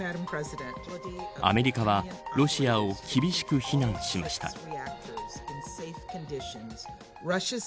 アメリカはロシアを厳しく非難しました。